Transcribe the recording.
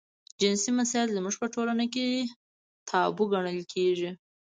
جنسي مسایل زموږ په ټولنه کې تابو ګڼل کېږي.